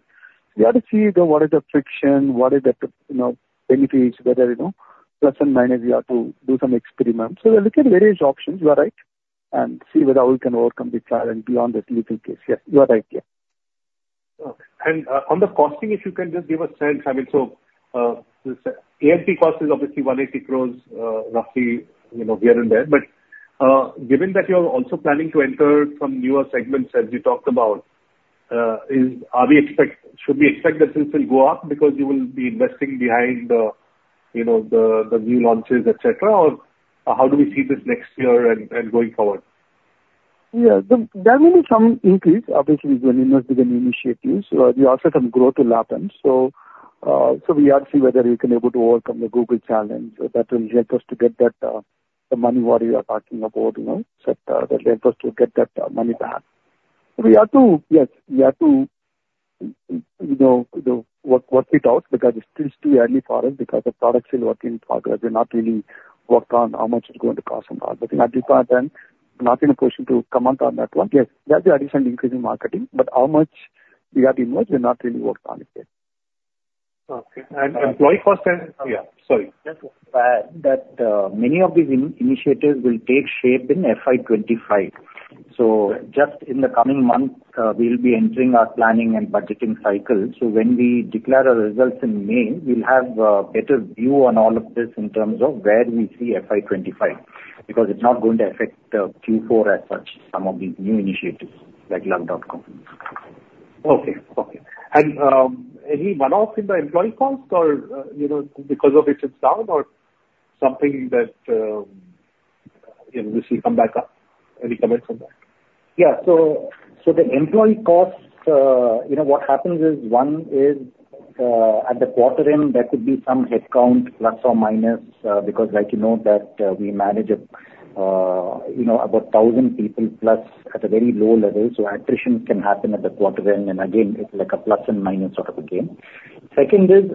We have to see what is the friction, what is the, you know, benefits, whether, you know, plus and minus, we have to do some experiments. So we'll look at various options, you are right, and see whether we can overcome the trial, and beyond that, legal case. Yes, you are right. Yeah. And, on the costing, if you can just give a sense. I mean, so, the AMP cost is obviously 18 crores, roughly, you know, here and there. But, given that you're also planning to enter some newer segments, as you talked about, is... Should we expect that this will go up because you will be investing behind the, you know, the, the new launches, et cetera? Or how do we see this next year and, and going forward? Yeah. There will be some increase, obviously, when you invest in the new initiatives. We also some growth will happen. So, so we have to see whether you can able to overcome the Google challenge. So that will help us to get that, the money, what you are talking about, you know, so that, will help us to get that, money back. We have to... Yes, we have to, you know, work, work it out, because it's still too early for us, because the product is still work in progress. We've not really worked on how much it's going to cost and all. But in that regard, then, we're not in a position to comment on that one. Yes, there'll be additional increase in marketing, but how much we have to invest, we've not really worked on it yet. Okay. And employee costs then. Yeah, sorry. That many of these initiatives will take shape in FY 25. So just in the coming months, we'll be entering our planning and budgeting cycle. So when we declare our results in May, we'll have a better view on all of this in terms of where we see FY 25, because it's not going to affect Q4 as such, some of these new initiatives, like Luv.com. Okay. Okay. Any one-off in the employee cost or, you know, because of it, it's down or something that, you know, this will come back up, any comment from that? Yeah. So, so the employee costs, you know, what happens is, one is, at the quarter end, there could be some headcount, plus or minus, because like you know, that, we manage it, you know, about 1,000 people plus at a very low level, so attrition can happen at the quarter end, and again, it's like a plus and minus sort of a game. Second is,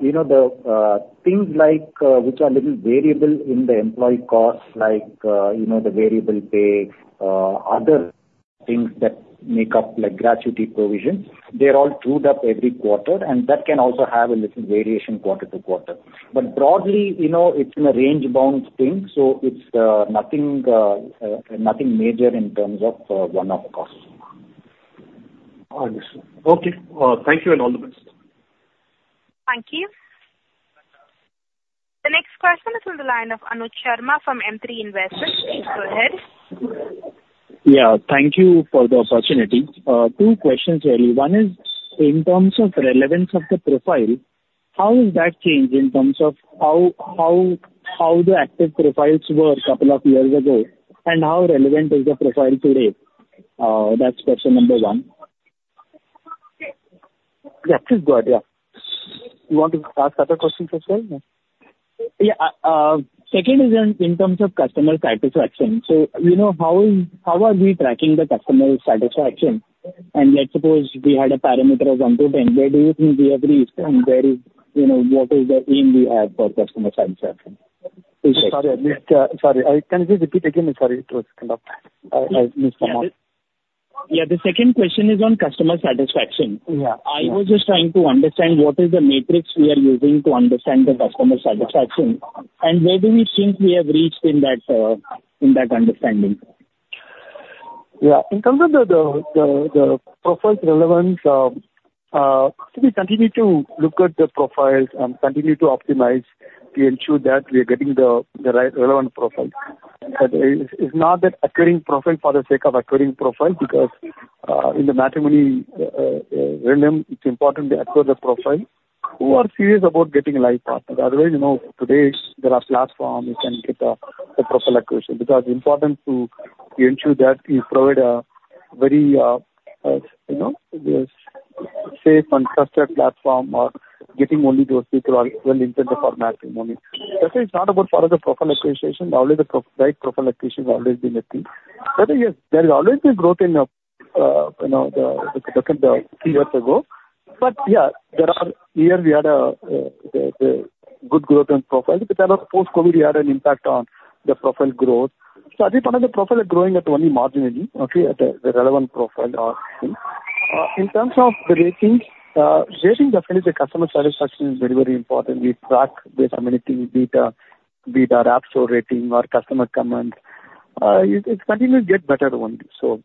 you know, the, things like, which are little variable in the employee costs, like, you know, the variable pay, other things that make up, like gratuity provisions, they're all trued up every quarter, and that can also have a little variation quarter to quarter. But broadly, you know, it's in a range-bound thing, so it's, nothing, nothing major in terms of, one-off costs. Understood. Okay. Thank you, and all the best. Thank you. The next question is on the line of Anuj Sharma from M3 Investors. Please go ahead. Yeah, thank you for the opportunity. Two questions really. One is, in terms of relevance of the profile, how has that changed in terms of how the active profiles were a couple of years ago and how relevant is the profile today? That's question number one. That is good, yeah. You want to ask other questions as well? Yeah. Second is on, in terms of customer satisfaction. So, you know, how are we tracking the customer satisfaction? And let's suppose we had a parameter of one to ten, where do you think we have reached, and where is, you know, what is the aim we have for customer satisfaction? Sorry, sorry, can you just repeat again? Sorry, it was cut off. I missed some of it. Yeah. The second question is on customer satisfaction. Yeah. I was just trying to understand what metrics we are using to understand the customer satisfaction, and where do we think we have reached in that, in that understanding? Yeah. In terms of the profile relevance, we continue to look at the profiles and continue to optimize to ensure that we are getting the right relevant profile. But it's not that acquiring profile for the sake of acquiring profile, because in the matrimony realm, it's important to acquire the profile who are serious about getting a life partner. Otherwise, you know, today there are platforms you can get the profile acquisition. Because important to ensure that we provide a very you know safe and trusted platform or getting only those people who are really interested for matrimony. That is not about further profile acquisition. Always the right profile acquisition has always been the thing. But yes, there is always been growth in you know the three years ago. But yeah, there are years we had a good growth in profile, but there are post-COVID, we had an impact on the profile growth. So at this point, the profile is growing at only marginally, okay, at the relevant profile. In terms of the ratings, rating definitely the customer satisfaction is very, very important. We track based on many things, be the, be the app store rating or customer comments. It, it's continuously get better only. So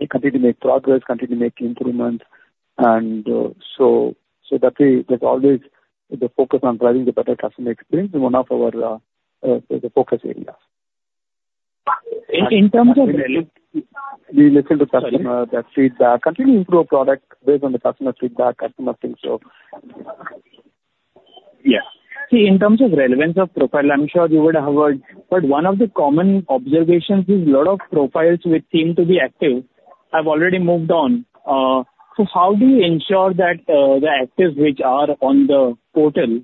we continue to make progress, continue to make improvements. So, so that's a, that's always the focus on driving the better customer experience and one of our the focus areas. In terms of- We listen to customer, their feedback, continue to improve our product based on the customer feedback, customer things, so-... Yes. See, in terms of relevance of profile, I'm sure you would have heard, but one of the common observations is a lot of profiles which seem to be active have already moved on. So how do you ensure that the actives which are on the portal,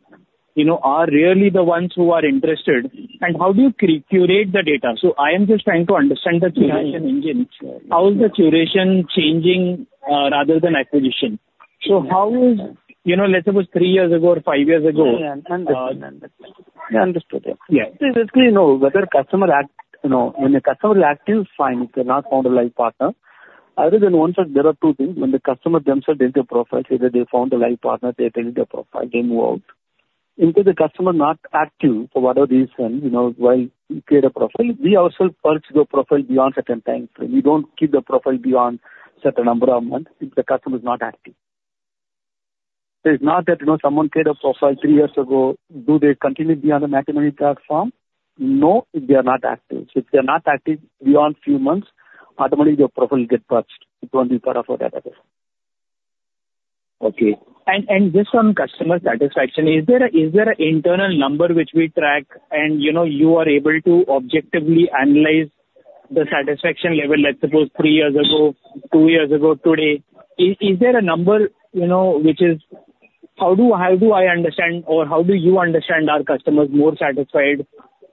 you know, are really the ones who are interested, and how do you curate the data? So I am just trying to understand the curation engine. How is the curation changing rather than acquisition? So how is, you know, let's suppose three years ago or five years ago- Yeah, I understand. I understood it. Yeah. Basically, you know, whether customer active. You know, when a customer is active, fine, they've not found a life partner. Other than once, there are two things. When the customer themselves delete their profile, either they found a life partner, they delete their profile, they move out. Into the customer not active for whatever reason, you know, while he create a profile, we also purge the profile beyond certain time frame. We don't keep the profile beyond certain number of months if the customer is not active. It's not that, you know, someone created a profile three years ago, do they continue to be on the matrimony platform? No, if they are not active beyond few months, automatically your profile will get purged. It won't be part of our database. Okay. And just on customer satisfaction, is there an internal number which we track and, you know, you are able to objectively analyze the satisfaction level, let's suppose three years ago, two years ago, today? Is there a number, you know, which is... How do I understand or how do you understand our customers more satisfied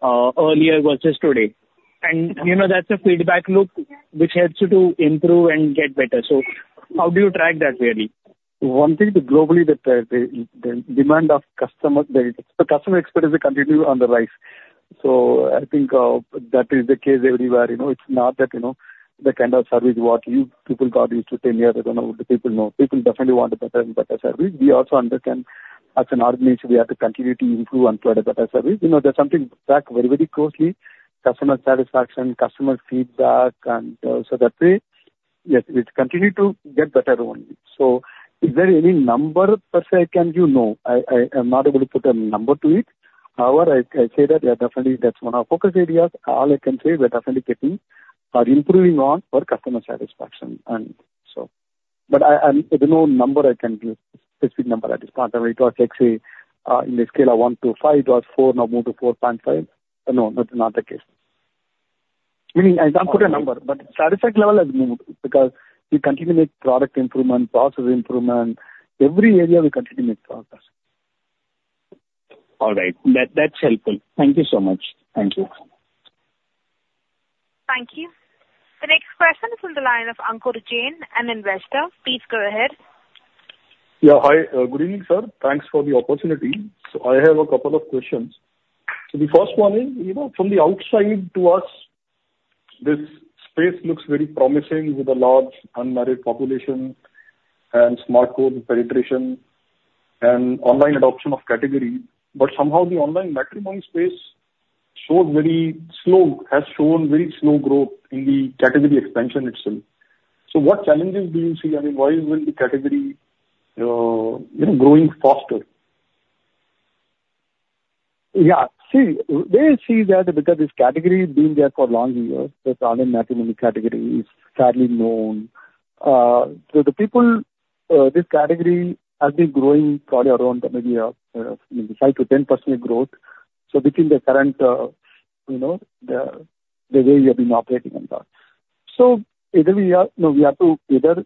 earlier versus today? And, you know, that's a feedback loop which helps you to improve and get better. So how do you track that really? One thing, globally, the demand of customer, the customer experience is continuing on the rise. So I think, that is the case everywhere. You know, it's not that, you know, the kind of service what you people got into ten years ago, now the people know. People definitely want a better and better service. We also understand as an organization, we have to continue to improve and provide a better service. You know, there's something tracked very, very closely, customer satisfaction, customer feedback, and so that way, yes, it's continued to get better only. So is there any number per se I can give you? No. I, I'm not able to put a number to it. However, I say that, yeah, definitely that's one of our focus areas. All I can say, we're definitely getting or improving on for customer satisfaction, and so... But I'm, there's no number I can give, specific number at this point. Whether it was, let's say, in the scale of 1-5, it was 4, now moved to 4.5. No, that's not the case. Meaning I can't put a number, but satisfaction level has moved because we continue with product improvement, process improvement. Every area we continue to make progress. All right. That, that's helpful. Thank you so much. Thank you. Thank you. The next question is from the line of Ankur Jain, an investor. Please go ahead. Yeah, hi. Good evening, sir. Thanks for the opportunity. So I have a couple of questions. So the first one is, you know, from the outside to us, this space looks very promising with a large unmarried population and smartphone penetration and online adoption of category. But somehow the online matrimony space showed very slow, has shown very slow growth in the category expansion itself. So what challenges do you see, and why isn't the category, you know, growing faster? Yeah. See, we see that because this category has been there for long years, this online matrimony category is fairly known. So the people, this category has been growing probably around maybe a 5%-10% growth. So within the current, you know, the way we have been operating on that. So either we have to either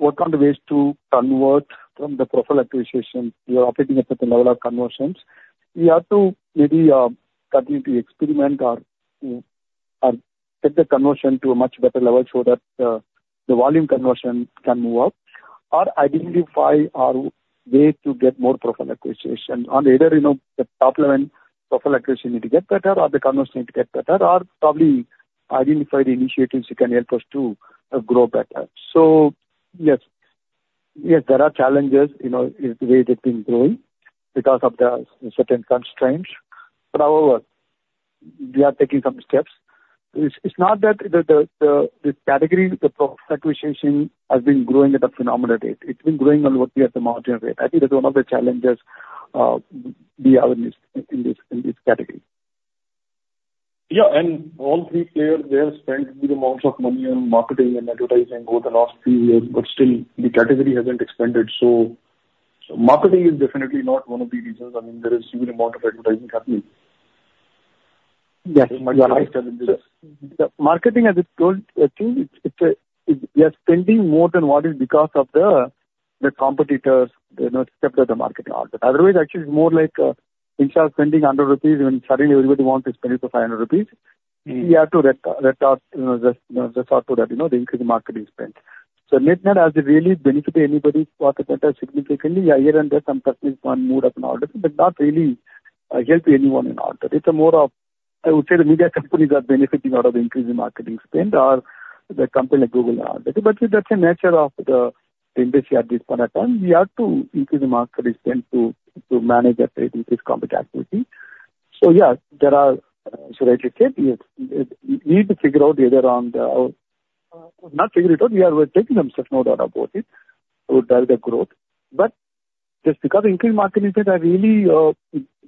work on the ways to convert from the profile acquisition, we are operating at the level of conversions. We have to maybe continue to experiment or take the conversion to a much better level so that the volume conversion can move up or identify our way to get more profile acquisition. Either, you know, the top level profile acquisition need to get better, or the conversions need to get better, or probably identify the initiatives that can help us to grow better. So yes, yes, there are challenges, you know, in the way that's been growing because of the certain constraints. But however, we are taking some steps. It's not that the category, the profile acquisition has been growing at a phenomenal rate. It's been growing only at the marginal rate. I think that's one of the challenges we have in this category. Yeah, and all three players, they have spent good amounts of money on marketing and advertising over the last few years, but still the category hasn't expanded. So, marketing is definitely not one of the reasons. I mean, there is huge amount of advertising happening. Yes. The marketing, as I told, I think it's, it's, we are spending more than what is because of the, the competitors, you know, step up the marketing effort. Otherwise, actually, it's more like, instead of spending 100 rupees, when suddenly everybody wants to spend it to 500 rupees, we have to resort, you know, resort to that, you know, the increased marketing spend. So it not as really benefit anybody's market share significantly. Yeah, here and there, some companies might move up in order, but not really, help anyone in order. It's more of-- I would say the media companies are benefiting out of increasing marketing spend or the company like Google Ads. But that's the nature of the industry at this point of time. We have to increase the marketing spend to manage that increased competitive activity. So yeah, there are, as I said, yes, we need to figure out either on the. Not figure it out, we are taking them, no doubt about it, to drive the growth. But just because increased marketing spend have really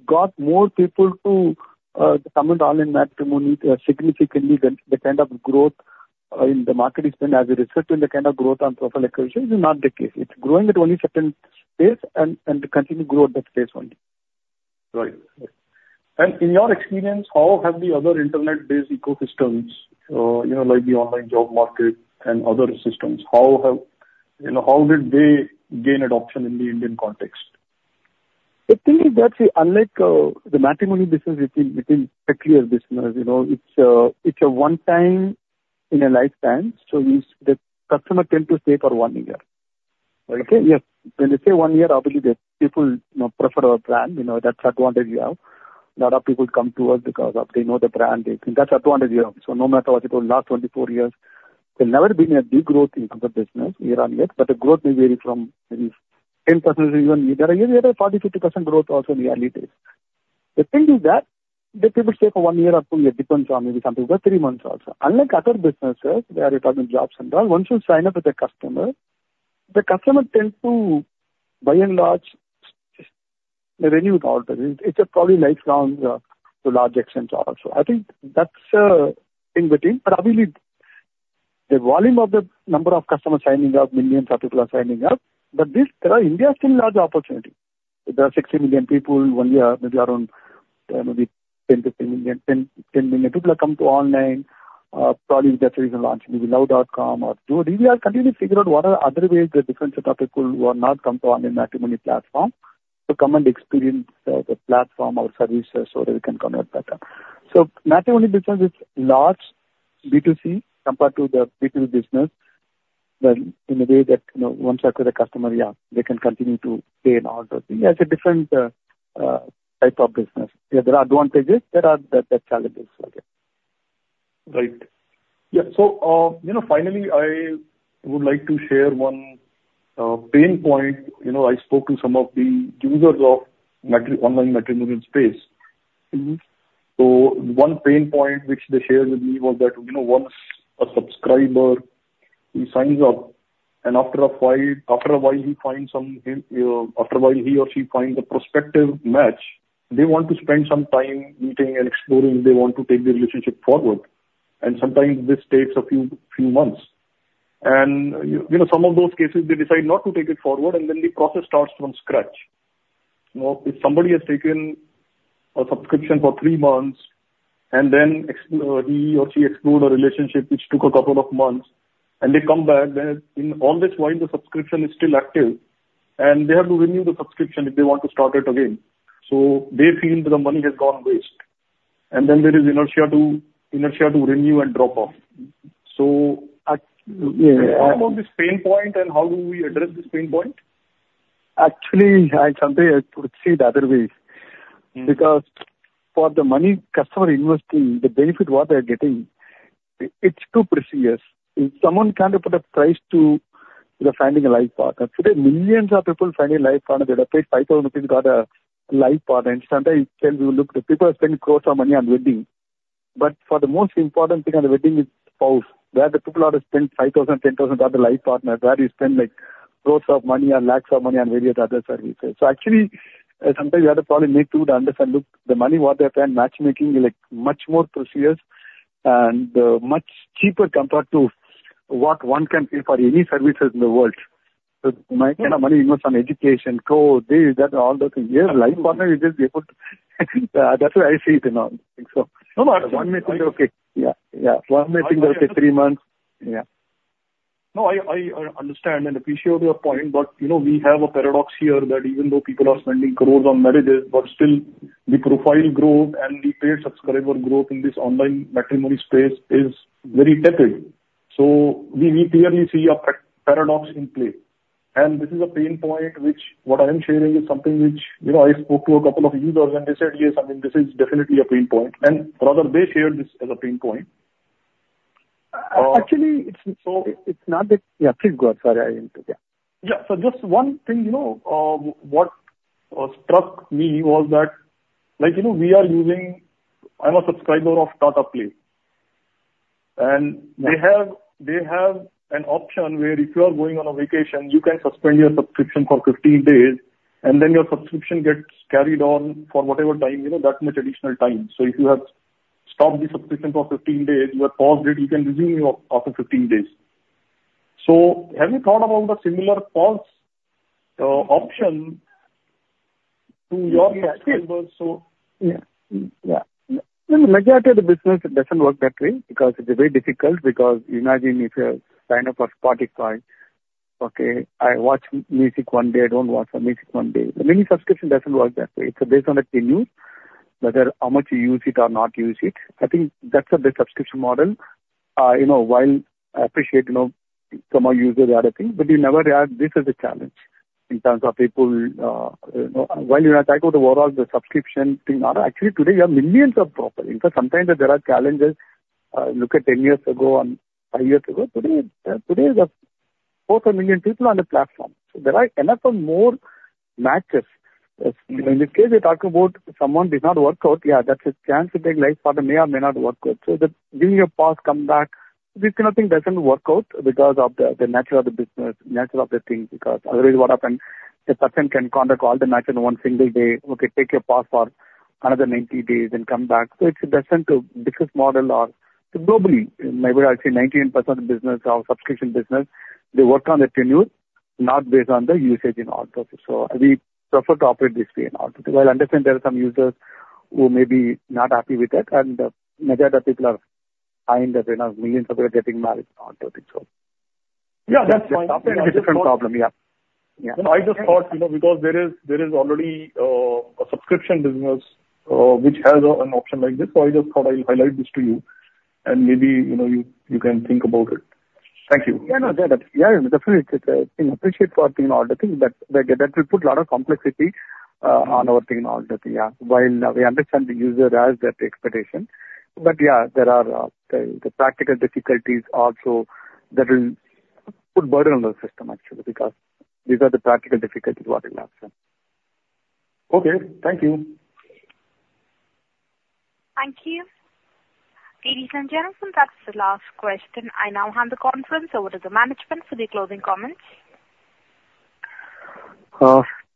got more people to come in online matrimony significantly than the kind of growth in the market is been, as we referred to, in the kind of growth and customer acquisition, is not the case. It's growing at only certain pace and continue to grow at that pace only. Right. In your experience, how have the other internet-based ecosystems, you know, like the online job market and other systems, you know, how did they gain adoption in the Indian context? The thing is that, see, unlike the matrimony business, it is, it is a clear business. You know, it's a, it's a one time in a lifetime, so it's the customer tend to stay for one year. Okay. Yes. When they say one year, obviously, the people, you know, prefer our brand. You know, that's advantage we have. A lot of people come to us because of they know the brand, they think that's advantage we have. So no matter what, you know, last 24 years, there's never been a big growth in the business year-on-year, but the growth may vary from maybe 10% to even there are years where 40%, 50% growth also in early days. The thing is that the people stay for one year or two years, depends on maybe something, but three months also. Unlike other businesses, where you are talking jobs and all, once you sign up with a customer, the customer tends to, by and large, just they renew all the... It's a probably lifelong, to large extent also. I think that's in between, but obviously, the volume of the number of customers signing up, millions of people are signing up, but this, there are India is still large opportunity. There are 60,000,000 people 1 year, maybe around, maybe 10,000,000, 15,000,000, 10, 10,000,000 people have come to online, probably that's the reason we launch maybe Luv.com or two. We are continuing to figure out what are other ways the different set of people who are not come to online matrimony platform, to come and experience, the platform or services so that we can convert better. So matrimony business is large B2C compared to the B2B business, then in a way that, you know, once acquire the customer, yeah, they can continue to pay and all those things. Yeah, it's a different type of business. Yeah, there are advantages, there are the challenges. Okay. Right. Yeah, so, you know, finally, I would like to share one pain point. You know, I spoke to some of the users of online matrimony space. Mm-hmm. So one pain point which they shared with me was that, you know, once a subscriber, he signs up, and after a while, he or she finds a prospective match, they want to spend some time meeting and exploring. They want to take the relationship forward, and sometimes this takes a few months. And, you know, some of those cases, they decide not to take it forward, and then the process starts from scratch. You know, if somebody has taken a subscription for three months, and then he or she explored a relationship which took a couple of months, and they come back, then in all this while the subscription is still active, and they have to renew the subscription if they want to start it again. So they feel the money has gone waste, and then there is inertia to renew and drop off. So at- Yeah. What about this pain point and how do we address this pain point? Actually, someday I could see the other way, because for the money customer investing, the benefit what they're getting, it's too precious. If someone can't put a price to the finding a life partner. Today, millions of people finding a life partner, they'd have paid 5,000 rupees to get a life partner. And sometimes you can look, the people are spending crores of money on wedding, but for the most important thing on the wedding is spouse, where the people are to spend 5,000, 10,000 on the life partner, where you spend, like, crores of money and lakhs of money on various other services. So actually, sometimes you have to probably need to understand, look, the money what they pay in matchmaking is, like, much more precious and, much cheaper compared to what one can pay for any services in the world. So my kind of money, you know, some education, clothes, this, that, and all the things. Yeah, life partner, you just be able to. That's the way I see it, you know, and so- No, but- One may think, okay. Yeah, yeah. One may think, okay, three months. Yeah. No, I understand and appreciate your point, but, you know, we have a paradox here, that even though people are spending crores on marriages, but still the profile growth and the paid subscriber growth in this online matrimony space is very tepid. So we clearly see a paradox in play. And this is a pain point, which what I'm sharing, is something which, you know, I spoke to a couple of users, and they said, "Yes, I mean, this is definitely a pain point." And rather, they shared this as a pain point. Actually, it's- So- It's not that... Yeah, please go ahead. Sorry, I interrupted, yeah. Yeah. So just one thing, you know, what struck me was that, like, you know, we are using—I'm a subscriber of Tata Play, and they have, they have an option where if you are going on a vacation, you can suspend your subscription for 15 days, and then your subscription gets carried on for whatever time, you know, that much additional time. So if you have stopped the subscription for 15 days, you have paused it, you can resume your after 15 days. So have you thought about the similar pause, option to your subscribers so- Yeah. Yeah. In the majority of the business, it doesn't work that way, because it's very difficult. Because imagine if you sign up for Spotify, okay, I watch music one day, I don't watch the music one day. The mini subscription doesn't work that way. It's based on the tenure, whether how much you use it or not use it. I think that's the best subscription model. You know, while I appreciate, you know, some of our users are okay, but you never had... This is a challenge in terms of people, you know, when you attack the world, the subscription thing. Actually, today, you have millions of proper. In fact, sometimes there are challenges, look at 10 years ago and 5 years ago. Today, today there's 4,000,000 people on the platform, so there are enough and more matches. In this case, we're talking about someone did not work out. Yeah, that's a chance to take. Life partner may or may not work out. So the giving a pause, come back, this kind of thing doesn't work out because of the, the nature of the business, nature of the thing, because otherwise, what happened, the person can contact all the match in one single day. Okay, take a pause for another 90 days and come back. So it's best than to business model or globally, maybe I'd say 98% of business or subscription business, they work on the tenure, not based on the usage in all terms. So we prefer to operate this way and all. While I understand there are some users who may be not happy with that, and majority of the people are fine, that there are millions of people getting married and all those things, so. Yeah, that's fine. Different problem. Yeah. Yeah. No, I just thought, you know, because there is, there is already, a subscription business, which has an option like this. So I just thought I'll highlight this to you, and maybe, you know, you, you can think about it. Thank you. Yeah, no, yeah. Yeah, definitely. I appreciate for thinking all the thing, but that will put a lot of complexity on our thing, all that, yeah. While we understand the user has that expectation, but yeah, there are the practical difficulties also that will put burden on the system actually, because these are the practical difficulties what we have, sir. Okay, thank you. Thank you. Ladies and gentlemen, that's the last question. I now hand the conference over to the management for the closing comments.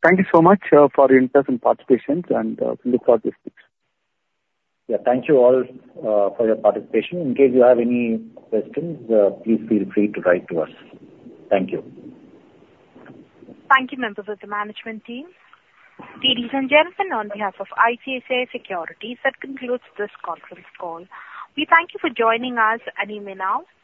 Thank you so much for your interest and participation, and we look forward to this. Yeah. Thank you all, for your participation. In case you have any questions, please feel free to write to us. Thank you. Thank you, members of the management team. Ladies and gentlemen, on behalf of ICICI Securities, that concludes this conference call. We thank you for joining us, and you may now disconnect.